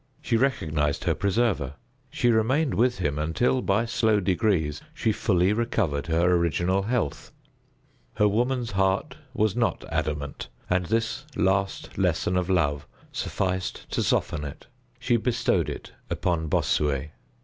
She recognized her preserver. She remained with him until, by slow degrees, she fully recovered her original health. Her woman's heart was not adamant, and this last lesson of love sufficed to soften it. She bestowed it upon Bossuet.